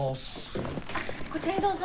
あっこちらにどうぞ。